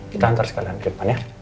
kita hantar sekalian ke depan ya